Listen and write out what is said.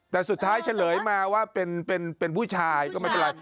แต่สุดท้ายเฉลยมาว่าเป็นผู้ชายก็ไม่เป็นไร